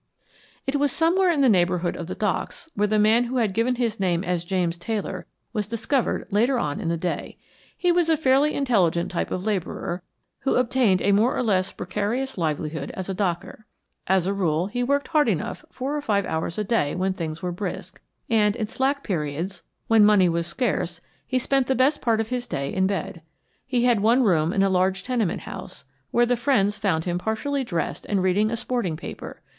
It was somewhere in the neighborhood of the Docks where the man who had given his name as James Taylor was discovered later on in the day. He was a fairly intelligent type of laborer, who obtained a more or less precarious livelihood as a docker. As a rule, he worked hard enough four or five hours a day when things were brisk, and, in slack periods when money was scarce, he spent the best part of his day in bed. He had one room in a large tenement house, where the friends found him partially dressed and reading a sporting paper.